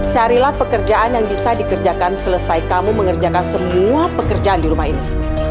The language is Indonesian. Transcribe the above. carilah pekerjaan yang bisa dikerjakan selesai kamu mengerjakan semua pekerjaan di rumah ini